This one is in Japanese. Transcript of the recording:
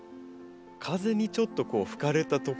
風にちょっとこう吹かれたとこ。